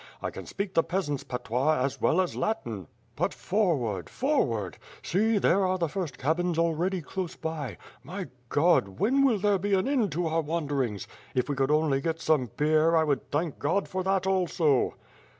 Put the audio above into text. I can speak the peasants' patois as well as Latin. But forward, forward! See there are the first cabins already close by. My God! When will there be an end to our wanderings. If we could only get some beer, I would thank God for that also."